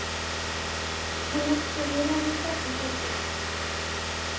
هلک په وېره ورته کتل: